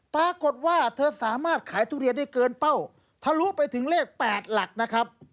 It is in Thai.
ปรากฏว่าเธอสามารถขายทุเรียนได้เกินเป้าทะลุไปถึงเลข๘หลักนะครับ